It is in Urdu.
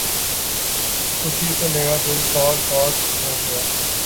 خوشی سے میرا دل باغ باغ ہو گیا